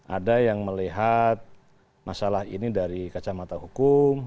ada yang melihat masalah ini dari kacamata hukum